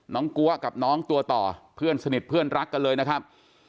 กลัวกับน้องตัวต่อเพื่อนสนิทเพื่อนรักกันเลยนะครับ